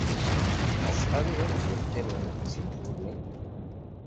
Acḥal ay am-d-yeqqimen d tinfulin?